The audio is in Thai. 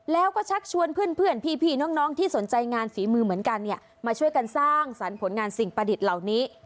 แล้วก็ชักชวนเพื่อนพี่น้องที่สนใจงานฝีมือเหมือนกันเนี่ยมาช่วยกันสร้างสรรค์ผลงานสิ่งประดิษฐ์เหล่านี้